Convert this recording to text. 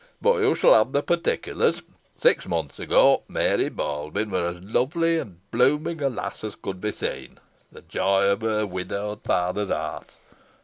But you shall have the particulars. Six months ago, Mary Baldwyn was as lovely and blooming a lass as could be seen, the joy of her widowed father's heart.